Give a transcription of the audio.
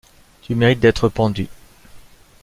Tu mérites d’estre pendu!